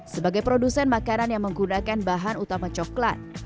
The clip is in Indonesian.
sebagai produsen makanan yang menggunakan bahan utama coklat